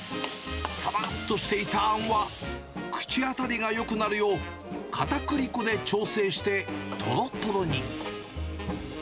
さらっとしていたあんは、口当たりがよくなるよう、かたくり粉で調整して、とろとろに。